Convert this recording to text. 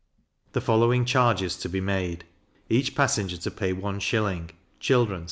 The following charges to be made: Each passenger to pay 1s.; children 6d.